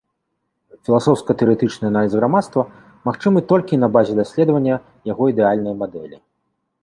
Філасофска-тэарэтычны аналіз грамадства магчымы толькі на базе даследвання яго ідэальнай мадэлі.